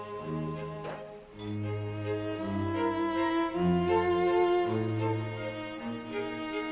うん！